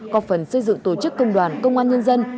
có phần xây dựng tổ chức công đoàn công an nhân dân